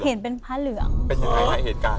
เขาเห็นเป็นพระเหลือง